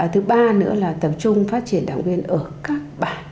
thứ ba nữa là tập trung phát triển đảng viên ở các bản các bản có một trăm linh mà còn theo đảng